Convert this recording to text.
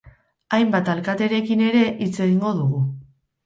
Hainbat alkaterekin ere hitz egingo dugu.